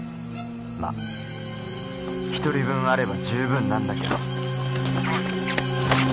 まあ１人分あれば十分なんだけど。